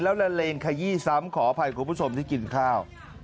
แล้วละเลงขยี้ซ้ำขออภัยคุณผู้ชมที่กินข้าว